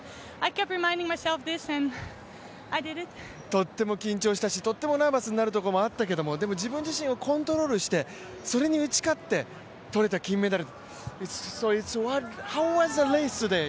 とっても緊張したし、とってもナーバスになるところもあったけど、でも自分自身をコントロールしてそれに打ち勝って取れた金メダル。